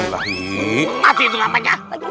masih itu ngapain ya